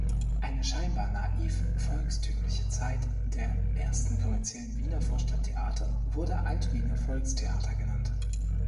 Eine scheinbar naiv-volkstümliche Zeit der ersten kommerziellen Wiener Vorstadttheater wurde Alt-Wiener Volkstheater genannt.